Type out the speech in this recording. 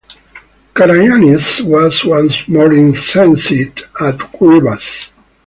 Karayiannis was once more incensed at Grivas.